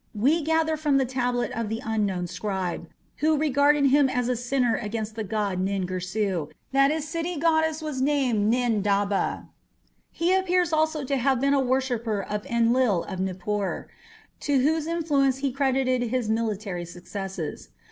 We gather from the tablet of the unknown scribe, who regarded him as a sinner against the god Nin Girsu, that his city goddess was named Nidaba. He appears also to have been a worshipper of Enlil of Nippur, to whose influence he credited his military successes.